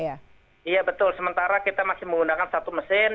iya betul sementara kita masih menggunakan satu mesin